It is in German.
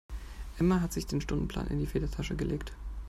Emma hat sich den Stundenplan in die Federtasche gelegt.